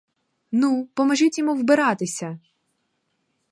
Ну, поможіть йому вбиратися!